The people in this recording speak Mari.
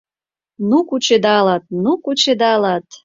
Ну кучедалыт, ну кучедалыт.